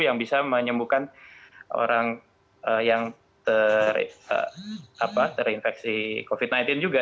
yang bisa menyembuhkan orang yang terinfeksi covid sembilan belas juga